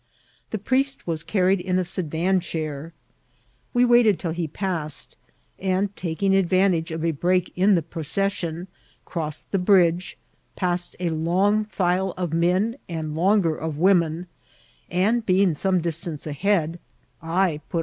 The priest was carried in a sedan chair. We waited till he passed, and taking advantage of a break in the procession, crossed the bridge, passed a long file of men and long er of women, and being some distance ahead, I put on VoL.